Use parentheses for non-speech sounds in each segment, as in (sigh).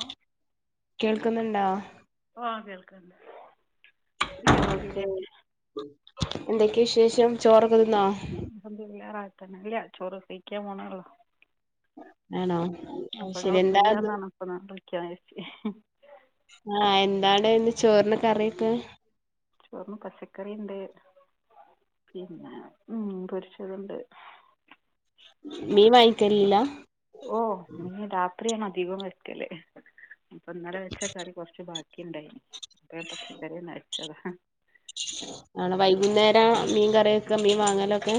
ഓ കേൾക്ക്ന്ന്ണ്ടോ ആഹ് കേൾക്ക്ണ്ട് ഓക്കെ എന്തൊക്കെ വിശേഷം ചോറൊക്കെ തിന്നോ? അൽഹംദുലില്ലാഹ് റാഹത്തെന്നെ ചോറ് കയ്ക്കാൻ പോണെള്ളൂ ആണോ ശരി അപ്പങ്ങള് എന്താന്ന് ഫ്രീയാന്നറ്ഞ്ഞപ്പ ഞാൻ വിളിക്കാന്ന് വെച്ച് ആഹ്‌ എന്താണ് ഇന്ന് ചോറിന് കറിയൊക്കെ ചോറ്ന്ന് പച്ചക്കറിണ്ട് പിന്നെ മീൻ പൊരിച്ചതുണ്ട് മീം വാങ്ങിക്കലീല്ല ഓഹ്‌ മീൻ രാത്രിയേണ് അധികോം വര്ത്തല് അപ്പൊ ന്നലെ വെച്ച കറി കൊറ്ച്ച് ബാ ക്കിണ്ടായിനിം അപ്പഴെ പച്ചക്കറിയൊന്നരച്ചത ആണോ വൈകുന്നേര മീൻ കറി വെക്ക മീൻ വാങ്ങലൊക്കെ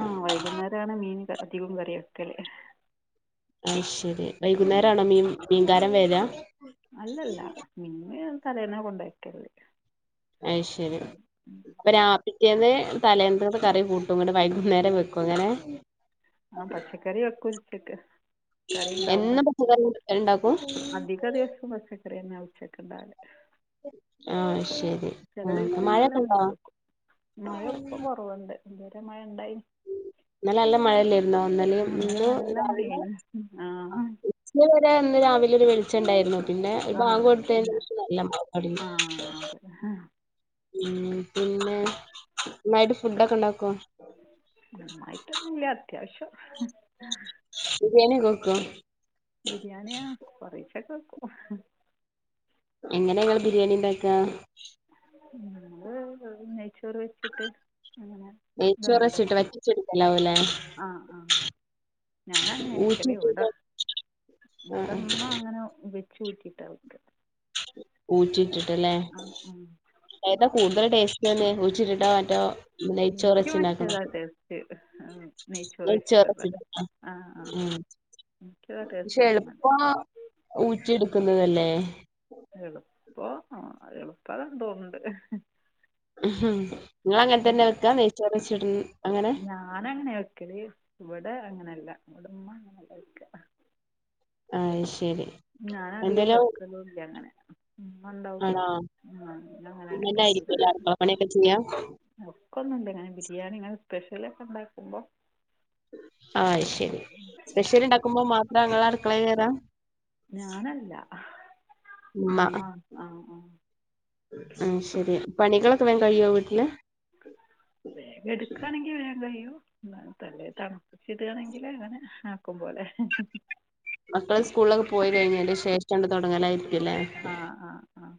ആഹ്‌ വൈകുന്നേരാണ് മീൻ അധികോം കറിവെക്കല് അയ്ശരി വൈകുന്നേരം ആണോ മീം മീൻകാരം വെരാ അല്ലല്ല മിന് തലേന്നെ കൊണ്ടക്കല് അയ് ശരി അപ്പ രാ പിറ്റ്യേന്ന് തലേന്നത്തെ കറി കൂട്ടും ഇങ്ങട്ട് വൈകുന്നേരം വെക്കും അങ്ങനെ ആ പച്ചക്കറി വെക്കു ഉച്ചക്ക് എന്നും പച്ചക്കറി (unintelligible) ഉണ്ടാക്കും പച്ചക്കറി വെക്കും പച്ചക്കറി ന്നാ ഉച്ചക്ക്‌ ഇണ്ടാവല് ആഹ് ശരി ചില ആഹ് ദിവസങ്ങളിൽ മഴയൊക്കെ ഉണ്ടോ (unintelligible) എടുക്കും (unintelligible) കുറ ഇപ്പ ഇവടെണ്ട് ഇതുവരെ മഴ ഉണ്ടായിനിം ഇന്നലെ നല്ല മഴല്ലായിരുന്നോ ഇന്നലെയും ഇന്നലെ ഇന്ന് നല്ല രാവിലെ മഴയാണ് ആ ഇന്നലെ വരെ ഇന്ന് രാവിലെ ഒരു വെളിച്ചം ഉണ്ടായിരുന്നു പിന്നെ ഒരു ആ ബാങ്ക് കൊടുത്തേന് പിന്നെ ശേഷം നല്ല മഴ തൊടങ്ങി ആ അതെ ഉം പിന്നെ നന്നായിട്ട് ഫുഡൊക്കെ ഉണ്ടാക്കോ നന്നായിട്ടൊന്നും ഇല്ല അത്യാവിശ്യം ബിരിയാണിക്കെ വെക്കോ ബിരിയാണി ആഹ് കൊറേച്ചൊക്കെ വെക്കും എങ്ങനെയ ഇങ്ങള് ബിരിയാണി ഉണ്ടാക്കാ ഞങ്ങള് വെറും നെയ്ച്ചോറ് വെച്ചിട്ട് അങ്ങനെ നെയ്ചോറ് വച്ചിട്ട് വറ്റിച്ചെടുക്കലാവൂലേ ആഹ് ആഹ് ഞാനങ്ങനാ വെക്കല് ഇവിടെ ഊറ്റിയിട്ടിട്ട് ആഹ് ആഹ് ഇവിടുമ്മ അങ്ങനെ വെച്ചുറ്റിട്ടാ വെക്ക ഊറ്റിട്ടിട്ടല്ലേ ഏതാ കൂടുതൽ ടേസ്റ്റ് തോന്നേ ഊറ്റിട്ട് (unintelligible) മറ്റോ എനിക്ക് നെയ്ച്ചോറച്ചി ഉണ്ടാക്കണോ മറ്റേതാണ് ടേസ്റ്റ് നെയ്ച്ചോറ് വെച്ചിട്ട് ആ ആ ആഹ് എനിക്കതാണ് ടേസ്റ്റ് പക്ഷെ എളുപ്പോ തോന്നുന്നത് ഊറ്റിടുക്കുന്നതല്ലേ എളുപ്പോ അ എളുപ്പത് തോന്ന്ണ്ട് ഞാൻ അങ്ങനെ തന്നെ വെക്കാ നെയ്ച്ചോറ്ച്ച്ട്ട് ഞാനങ്ങനെ വെക്കല് ഇവിടെ അങ്ങനല്ല ഇവിടുമ്മ അങ്ങനല്ല വെക്ക അയ് ശരി ഞാൻ അധികം എന്തേലും വെക്കലുല്ല അങ്ങനെ ഉമ്മ ണ്ടാവും ഇവിടെ ആണോ ആ ഞങ്ങളെ ഉമ്മന്നെ അടുപ്പിക്കൂല ആയിരിക്കുംല്ലേ അടുക്കള പണിയൊക്കെ ചെയ്യാം ഒക്കുന്ന്ല്ല ഞാൻ ബിരിയാണി ഇങ്ങനെ സ്പെഷ്യല് ഒക്കെ ഉണ്ടാക്കുമ്പോ ആഹ് ശരി സ്പെഷ്യല് ഉണ്ടാക്കുമ്പോ മാത്രാ ങ്ങൾ അടുക്കളെ കേറാ ഞാനല്ല ഉമ്മ ആഹ് ആഹ് ആഹ് ശരി പണികളൊക്കെ വേം കഴിയോ വീട്ടില് വേഗ എടുക്കയാണെങ്കി വേഗം കഴിയും എന്നാലും പെല്ലേക്കാനും ചിടു ആണെങ്കിൽ അങ്ങനെ ആക്കും പോലെ മക്കള് സ്കൂളിലൊക്കെ പോയി കഴിഞ്ഞാല് ശേഷംണ്ട് തുടങ്ങലായിരിക്കല്ലേ ആഹ് ആഹ് ആഹ്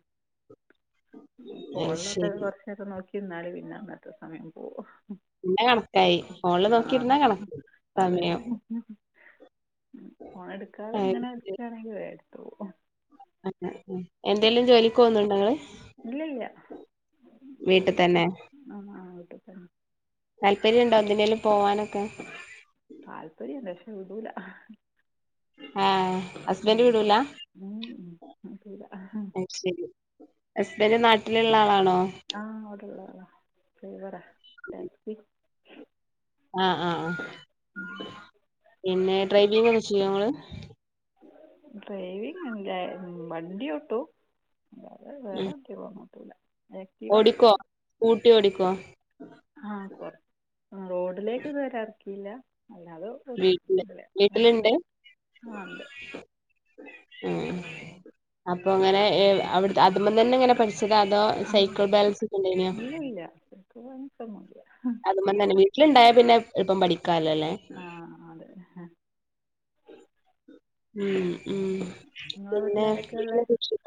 ഇപ്പ അത് ശരി ഒള്ളപ്പൊള് കൊറേ എത്രയൊക്കെ നോക്കി നിന്നാലും പിന്നെന്നിട്ട് സമയം പോവും പിന്നെ കണക്കായി ഫോണില് ആഹ് നോക്കിയിരുന്നാ കണക്കായി അതെ സമയം ഫോണ് എടുക്കാതെ അങ്ങനെ എടുക്കയാണെങ്കിൽ വേ എടുത്തോളും. എന്തെലും ജോലിക്കോന്നുണ്ടോ ങ്ങള് പോന്നില്ല ആ ആ വീട്ടിതന്നെ താല്പര്യം ഉണ്ടോ എന്തിനേലും പോവാനൊക്കെ താല്പര്യം ണ്ട് ക്ഷെ വിടൂല ആഹ് ഹസ്ബൻഡ് വിടൂല (unintelligible) അത് ശരി ഹസ്ബന്റ് നാട്ടിലുള്ള ആളാണോ ആ അവിടുള്ളാളാ ഡ്രൈവറാ ടാക്സി ആഹ് ആഹ് ആഹ് പിന്നെ ഡ്രൈവിങ്ങക്കെ ചെയ്യോങ്ങള്. ഡ്രൈവിങ് ഇല്ല എ വണ്ടി ഓട്ടു വേറെ ഉം വേറെ ങ്ങോട്ടുവില്ല ഓടിക്കോ സ്കൂട്ടി ഓടിക്കോ ആഹ് കൊരെ റോഡിലേക്ക് ഇത്വരെ ഇറക്കിയില്ല അല്ലാതെ ഓട്ടും വീട്ടില് ഇതിൽ വീട്ടിലുണ്ട് ആ ഉണ്ട് ഉ അപ്പൊ അങ്ങനെ അവി അതുമ തന്നെങ്ങനെ പഠി ച്ചതോ അതോ സൈക്കിൾ ബാലൻസ് ഒക്കെ ഉണ്ടയ്നോ ഇല്ല പോവാനും സമയല്യ അതുമ്പെ തന്നെ വീട്ടിലുണ്ടായ പിന്നെ ഇപ്പം പഠിക്കാലോല്ലേ ആഹ് അതെ ഉ ഉ നിങ്ങളെ വീട്ടിൽ പിന്നെ ആരൊക്കെയാണ് ഉള്ളത് വീട്ടിലേക്ക്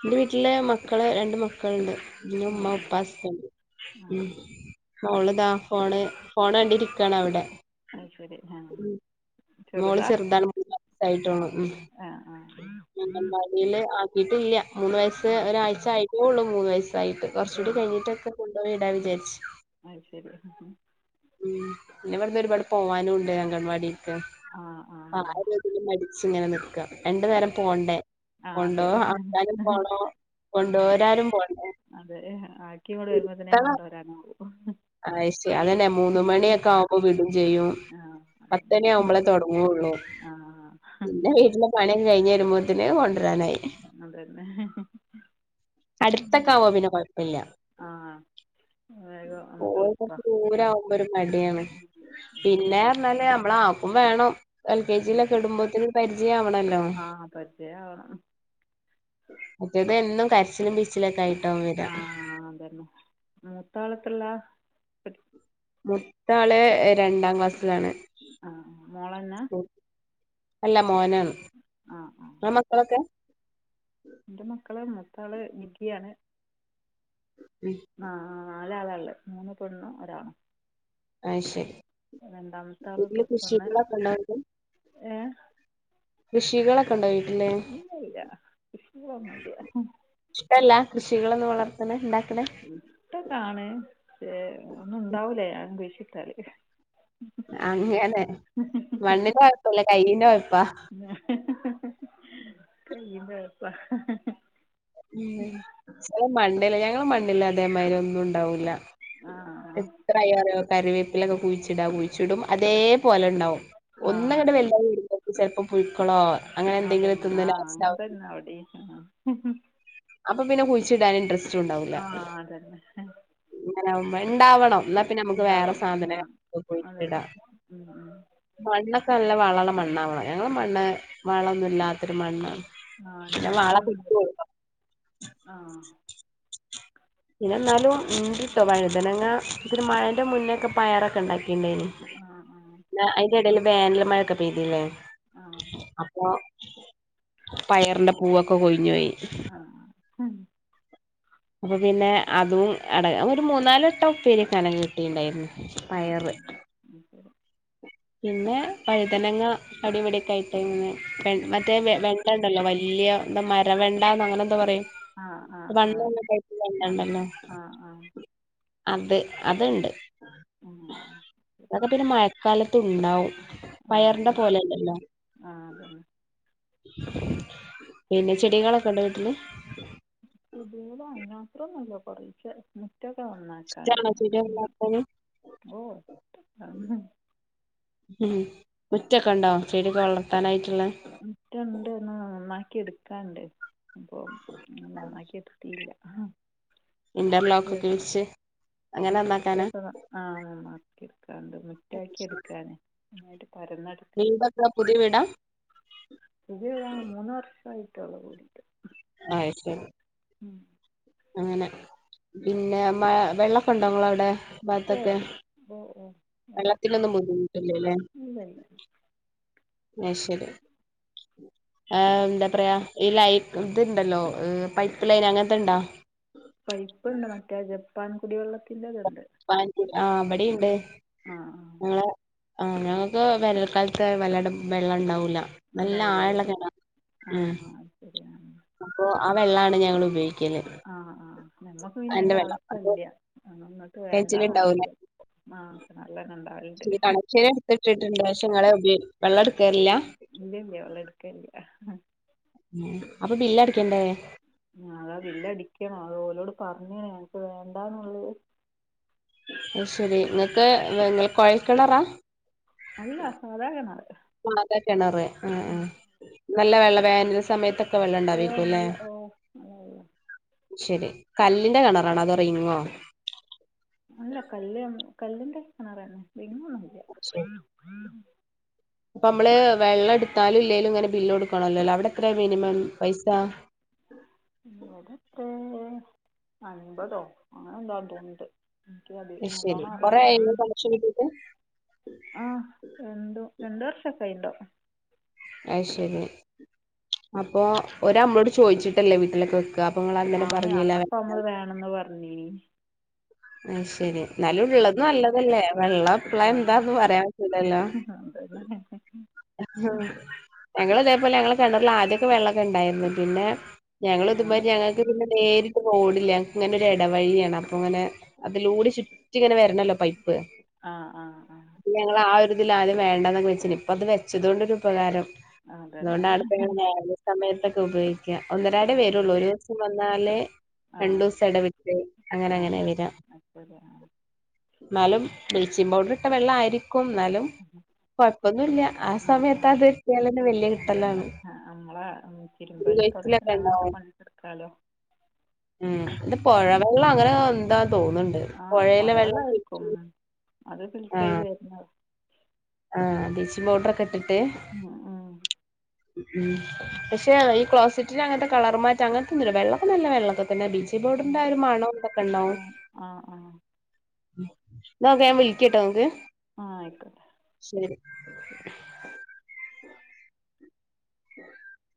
എന്റെ വീട്ടില് മക്കള് രണ്ട് മക്കളുണ്ട് പിന്ന ആ മ്മ ആ ഉപ്പാസ ഹസ്ബന്റ് ആ ആ മോള്താ ഫോണ് ഫോണ് കണ്ടിരിക്കാണവിടെ അയ് ശരി ആഹ് മോള് ചെറുതാ ചെറുതാണ് മൂന്ന് വയസ്സായിട്ടുള്ളൂ ആഹ് ആഹ് ആഹ് ടില് ആക്കിയിട്ടില്ല മൂന്ന് വയസ്സ് ഒരാഴ്ച ആയിട്ടേ ഉള്ളൂ മൂന്ന് വയസ്സ് തായിട്ട് ഏ കൊർച്ചൂടി കഴിഞ്ഞിട്ടൊക്കെ കൊണ്ടൊയിടാ വിചാര്ച്ച്. അയ് ശെരി ഉം ഉം ഉം ഇങ്ങളവ്‌ട്ന്ന് ഒരുപാട് പോവാനുണ്ട് അംഗൻവാടിക്ക് ആ ആ (unintelligible) പിന്നെ മടിച്ച്ങ്ങനെ നിക്ക രണ്ട് അത് നേരം ശരി പോണ്ടേ ആ കൊണ്ടോ അതെ ആക്കാനും പോണോ ഉം കൊണ്ടോരാനും പോണ്ടേ അതെ ആക്കിങ്ങട് വരുമ്പോത്ത്നേ കൊണ്ടോരാനാവൂ അയ് ശെരി അതെന്നെ മൂന്ന് മണ്യൊക്കാവുമ്പോ വിടും ചെയ്യും ആ പത്തണ്യാവുമ്പളാ തൊട ങ്ങൊള്ളൂ ആഹ് പണ്യൊക്കെ കഴിഞ്ഞ് വെരുമ്പോത്തിന് കൊണ്ട്രാനായി. അതെന്നെ അട്ത്തൊക്കാവുമ്പൊ പിന്നെ കൊഴപ്പല്ല. ആ വേഗം നമുക്ക് പോവാ കൊർച്ച് എളുപ്പമാണ് ദൂരാവുമ്പൊരു മട്യാണ്. പിന്നെർഞ്ഞാല് അമ്മളാ ക്കും വേണം എൽ കെ ജി യിലൊക്കിടുമ്പോത്തിന് പരിചയവണല്ലോ ആ പരിചയമാവണം മറ്റേതെന്നും കരച്ചിലും പിഴിച്ചിലൊക്കായി ആഹ് അതെന്നെ മുത്താളെത്രേലാ? മൂത്താള് രണ്ടാം ക്ലാസ്സിലാണ്. ആഹ് ആഹ് മോളെന്ന? അല്ല മോനാണ് ഉം ആഹ് ആഹ് ഇങ്ങളെ മക്കളൊക്കെ ഇന്റെ മക്കള് മൂത്താള് ഡിഗ്രിയാണ്. ഉം നാലാളല്ലേ മൂന്ന് പെണ്ണും ഒരാണും. അയ് ശെരി രണ്ടാമത്താള് പ്ലസ് വണ്ണ്. ഉണ്ടോ ഏഹ് കൃഷികളൊക്കെണ്ടോ വീട്ടില്? ഇല്ലല്ല കൃഷികളൊന്നുല്ല. ഇഷ്ടല്ല കൃഷികളൊന്നും വളർത്ത്ണെ ഇണ്ടാക്ക്ണേ ഇഷ്ട്ടൊക്കാണ് പക്ഷേ ഒന്നുണ്ടാവൂല ഞാൻ കുയ്ശ്ട്ടാല് അങ്ങനെ മണ്ണിന്റെ കൊഴപ്പല്ലെ കൈയ്യിന്റെ കൊഴപ്പാ. കയ്യിൻ്റെ കൊഴപ്പാ ഉം ന്ന് ചെലെ മണ്ണില്ല ഞങ്ങളെ മണ്ണില്ലതേമാതിര്യൊന്നുണ്ടാവൂല്ല. ആഹ് ആഹ് എത്രയാറ്യോ കറിവേപ്പിലൊക്കെ കുഴിച്ചിടാ കുഴിച്ചിടും അതേപോലെണ്ടാവും. ആ ഒന്നങ്ങട്ട് വെൽതായി വരുമ്പോക്ക് ചെൽപ്പോ പുഴുക്കളോ അങ്ങനെ ആ എന്തെങ്കിലും തെന്നെ തിന്ന് ആഹ് ലാസ്റ്റ് അങ്ങൻ ആവും തെന്നെ ഇവടിം അപ്പൊ പിന്നെ കുഴിച്ചിടാൻ ഇൻഡ്രസ് ആഹ് അതെന്നെ അങ്ങനാവുമ്പ ഇണ്ടാവണം എന്നാപ്പിന്നെ അമക്ക് വേറെ സാധന ആ ക്കെ അതെ കുഴിച്ചിടാ. ഉം, ഉം. മണ്ണൊക്കെ നല്ല വള ള്ള മണ്ണാവണം ഞങ്ങളെ മണ്ണ് വളൊന്നുല്ലാ ത്തൊരു മണ്ണാണ് ആ പിന്നെ വളാക്കെട്ട് ആഹ് പിന്നെ ന്നാലും ഇണ്ട്ട്ടോ വഴുതനങ്ങ അക്കൊരു മഴന്റെ മുന്നൊക്കെ പയറൊക്കെണ്ടാക്കിനി. ആഹ് ആഹ് അതിന്റെ ഇടയില് വേനൽമഴൊക്കെ പെയ്തില്ലേ ആഹ പയറിന്റെ പൂവൊക്കെ കൊഴിഞ്ഞോയി അഹ ഉം അപ്പൊ പിന്നെ അതും അട ഒരു മൂന്നാല വട്ടം ഉപ്പേരി വെക്കാ നൊക്കെ കിട്ടിണ്ടായിരുന്നു ആഹ ആഹ് പയറ് അയ് ശരി പിന്നെ വഴുതനങ്ങ അവിടെ ഇവിടെക്കെയായിട്ട് ങ്ങനെ ആ മറ്റേ വെ ണ്ട ഇണ്ടല്ലോ വലിയ എന്താ മരവെണ്ട ന്ന് അങ്ങനെ എന്താ പറയും ആ ആ ആ ആ വണ്ണമുള്ള ടൈപ്പിലെ വെണ്ടയുണ്ടല്ലോ വന്നോളാം ആ ആ അത് അത്ണ്ട് ഉം. അതൊക്കെ പിന്നെ മ ഴക്കാലത്തുംണ്ടാവും ആ പയറിണ്ട പോലല്ലല്ലോ ആ അതന്നെ പിന്നെ ചെടികളൊക്കെ ഉണ്ട് വീട്ടില് ചെടികള് അതിനുമാത്ര ഒന്നുല്ല കുറേച്ചേ റ്റക്കെ ഒന്നാക്കാണ്ട് ഇഷ്ടാണോ ചെടി വളർത്താന് ഓ ഉം മുറ്റൊക്കെ ഉണ്ടാ ചെടി വളർത്താനായിട്ടുള്ള മുറ്റുണ്ട്ന്ന് നന്നാക്കി എടുക്കാണ്ട് അപ്പൊ നന്നാക്കി എക്ക പറ്റില്ല ആഹ് ഇന്റർലോക്ക്ക്കെ വിരിച്ച് വിരിച്ചിട്ട് ആഹ മാക്കി എടുക്കാണ്ട് മുറ്റാക്കി എടുക്കാന ഒന്നായിട്ട് പരന്ന ട്ക്ക വീടൊക്കെ പുതിയ വീടാ പുതിയ വിടാ മൂന്ന് വർഷം ആയിട്ടേ ഉള്ളൂ കൂടിയിട്ട് ആ യ്ശരി ഉം അങ്ങനെ പിന്നെ മ വെള്ളൊക്ക ഉണ്ടോ നിങ്ങള അവിടെ ഓ ഭാത്തൊക്കെ ഓ ഓ വെള്ളമൊക്കെ ഉണ്ട്. വള്ളത്തിലൊന്നും ബുദ്ധിമുട്ടില്ലേല്ലേ ഇല്ല ഇല്ല അയ് ശരി ആഹ് എന്താ പറയാ ഈ ലൈ ഇത്ണ്ടല്ലോ പൈപ്പ് ലൈൻ അങ്ങനത്തെ ഉണ്ടോ പൈപ്പുണ്ട് മറ്റേ ജപ്പാൻ കുടിവെള്ളത്തിന്റെതുണ്ട് ആ അപടെണ്ട് ആ നിങ്ങള് ആഹ് ഞങ്ങൾക്ക് വേനൽക്കാലത്ത് വല്ലാണ്ട് വെള്ളം ഉണ്ടാവൂല നല്ല ഉണ്ടാവൂല അല്ലെ ആഴമുള്ള കിണറാ ഉം ആഹ്ആഹ് അയ് ശരിയാണ് അപ്പൊ ആ വെള്ളാ--ണ് ഞങ്ങൾ ഉപയോ ആഹ് ആഹ നമ്മുക്ക് പിന്നെ അതിന്റെ വെള്ളം ആവശ്യം അപ്പൊ ഇല്ല അന്നിട്ട് വേണ്ട കിണറ്റിലുണ്ടാവൂല നമക്ക് ആക്ക നല്ലന്ന ഉണ്ടാവിണ്ട് പൈപ്പ് വെച്ചിട്ട് ങ്ങള് വെള്ളം എടുക്കാറില്ല ഇല്ല ഇല്ല വെള്ളം എടുക്കലില്ല ഉ അപ്പൊ ബില്ല അടക്കണ്ടേ അതാ ബില്ല് അടിക്കണം അത് ഓലോട് പറഞ്ഞക്കണ് ഞങ്ങൾക്ക്വേണ്ടാന്നുള്ളത് അയ്ശരി നിങ്ങക്ക് കുഴൽ കിണറാ അല്ല സാധാ കിണറ് സാധാ കിണറ് ആ ഹആ ഹനല്ല വെള്ള വേന സമയത്തൊക്കെ ഒക്കെ ഓ വെള്ളണ്ടാവരിക്കല്ലേ നല്ല ഓ നല്ല വെള്ളം ശരി കല്ലിന്റെ കിണറാണ അതൊറിങ്ങോ അല്ല കല് കല്ലിന്റെകി ണറന്നെ ഇങ്ങ (unintelligible) ഉം അപ്പൊ മ്മള് വെള്ളം എടുത്താലും ഇല്ലേലും ഇങ്ങനെ ബില്ല് കൊടുക്കണല്ലോല്ലോ അവിടെ എത്ര മിനിമം പൈസ അവിടെ ത്തെ അൻ പതോ അങ്ങനെ എന്താതൊണ്ട് ക്കും അതെ ശരി നല്ലോണം കൊറേ അറിയില്ല (unintelligible) ആ രണ്ടു രണ്ട് വർഷംക്കെയിണ്ടോ അ യ് ശരി അപ്പൊ ഓ രു മ്മളോട് ചോയിച്ചിട്ടല്ലേ വീട്ടിലൊക്കെ വെ ആണ് അന്നപ്പോ നമ്മള് വേണന്ന് പറഞ്ഞീ ണ് അത് ശരി എന്നാലും ഉള്ളത് നല്ലതല്ലേ പ്ല എന്താ ന്ന് പറയാൻ പറ്റൂ ല ല്ലോ ഉ ഉം ഞങ്ങള് ഇതേപോലെ ഞങ്ങളെ കെണറി ല് ആദ്യക്കെ വെള്ളക്കെ ഉണ്ടായിരുന്നു പിന്നെ ഞങ്ങൾ ഇതുമാരി ഞങ്ങൾക്ക് പിന്നെ നേരി റോഡില്ല ഞങ്‌ ക്ക് ഇങ്ങനെ ഒരു ഇടവഴിയാണ് അപ്പൊ ഇങ്ങനെ അതിലൂടെ ചുറ്റി ഇങ്ങനെ വരണമല്ലോ പൈപ്പ് ആ ആ ആ (unintelligible) ഞങ്ങള് ആ ഒരുരിതിൽ ആദ്യം വേണ്ടന്നൊക്കെ വിച്ച ഇപ്പ അത് വതുകൊണ്ടൊരു ഉപകാരം ആ അതന്നെ അതുകൊണ്ടാണ്പ്പ (unintelligible) സമയത്തൊക്കെ ഉപയോഗിക്കുന്ന ഒന്നരാ ആ ടെ വരുള്ളൂ ഒരു ദിവസം വന്നാലേ ആ രണ്ടൂ സ ഇടവിട്ട അങ്ങനെ ആ ആ അങ്ങനെ ആ വരാ (unintelligible) ന്നാ ലും ബ് ലീച്ചി പൗഡർ ഇട്ട വെള്ളാ യിരിക്കും ന്നാലും കൊ ഴപ്പൊന്നുല്ല ആ സമയത്ത് അത് എത്തിയാലന്നെ വല്യ അതന്നെ കിട്ടലാണ് ആ അ മ്മളെ മുടി ചിരുമ്പല്ലി തുടക്കാന് കൊഴിച്ചിലൊക്കെ അങ്ങൻ ത്തെ ഉണ്ടാവോ പണിടുക്കാലോ ഉം ഇ ത് പുഴവെള്ളം അങ്ങനെ എന്താ തോന്നുന്നുണ്ട് ആ പുഴയിലെ വെള്ളം പുഴവെള്ളമായിരിക്കും ഉം അത് ഫിൽട്രീ യ്ത് ആഹ് തരുന്ന ആഹ് ബ്ലീചിങ് പൗഡർ ഒക്കെ ഇട്ടിട്ട് (unintelligible) ഉം പക്ഷെ ഈ ക്ലോസിറ്റിന് അങ്ങത്തെ കളർമാറ്റം അങ്ങനത്തെന്നല്ല വെള്ളൊക്കെ നല്ല വെള്ളൊക്ക തന്നെ ബീച്ച് ഇപോടെന്ത ഒരു മണം ന്തൊ ക്കെ ആ ണ്ടാവും ആ ആ എന്നാ വേം വിളിക്കീ ട്ടോ ആ ഹ് ആയിക്കോട്ടെ ശരി ഉ